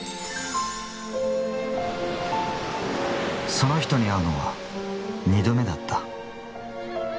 そのひとに会うのは２度目だった。